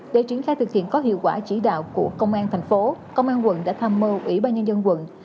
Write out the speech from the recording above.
để triển khai thực hiện có hiệu quả chỉ đạo của công an tp hcm công an quận đã tham mơ ủy ban nhân dân quận